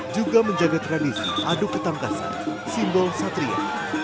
juga menjaga tradisi adu ketangkasan simbol satria